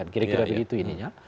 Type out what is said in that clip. kira kira begitu ininya